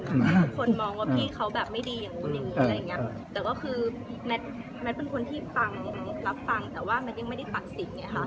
ทุกคนมองว่าพี่เขาแบบไม่ดีอย่างนู้นอย่างนี้อะไรอย่างเงี้ยแต่ก็คือแมทแมทเป็นคนที่ฟังรับฟังแต่ว่าแมทยังไม่ได้ตัดสินไงค่ะ